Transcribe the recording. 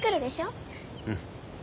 うん。